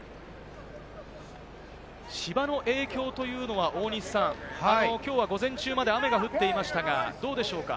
芝の影響というのは大西さん、きょうは午前中まで雨が降っていましたが、どうでしょうか？